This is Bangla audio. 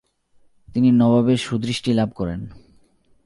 তিনি নবাবের সুদৃষ্টি লাভ করেন।